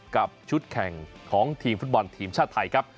กับชุดแข่งของทีมฟุตบอลทีมชาติไทยครับ